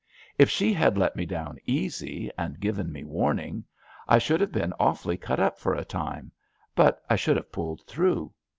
If she had let me down easy, and given me warning, I should have been awfully cut up for a time, but I should have pulled through.